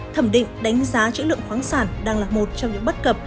thẩm định đánh giá chữ lượng khoáng sản đang là một trong những bất cập